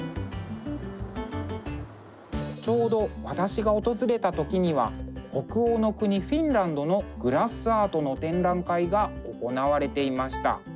ちょうど私が訪れた時には北欧の国フィンランドのグラスアートの展覧会が行われていました。